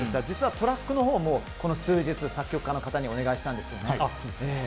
実はトラックのほうもこの数日、作曲家の方にお願いしたんですよね。